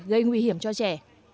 gây nguy hiểm cho trẻ